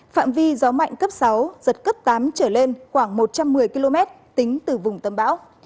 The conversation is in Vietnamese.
phạm vi gió mạnh cấp sáu giật cấp tám trở lên khoảng một trăm một mươi km tính từ vùng tâm bão